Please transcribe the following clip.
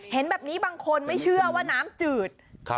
เห็นแบบนี้บางคนไม่เชื่อว่าน้ำจืด